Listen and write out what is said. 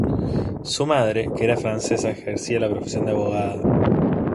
Su madre, que era francesa, ejercía la profesión de abogada.